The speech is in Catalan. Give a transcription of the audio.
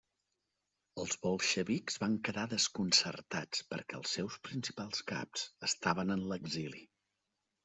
Els bolxevics van quedar desconcertats perquè els seus principals caps estaven en l'exili.